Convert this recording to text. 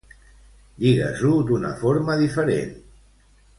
Digues-ho d'una forma diferent.